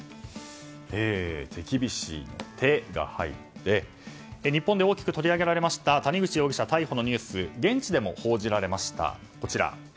手厳しいの「テ」が入って日本で大きく取り上げられました谷口容疑者逮捕のニュース現地でも報じられました。